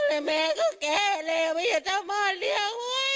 และแม่แก้แลวไปเจ้าบ้านเลี่ยงไว้